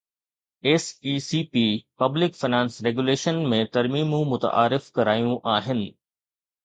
S E C P public finance regulation ۾ ترميمون متعارف ڪرايون آهن